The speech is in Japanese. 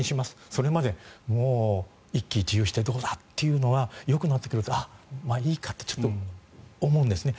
それまでもう一喜一憂してどうだというのはよくなってくると、まあいいかとちょっと思うんですね。